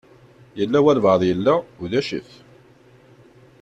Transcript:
Yella walebɛaḍ yella, ulac-it.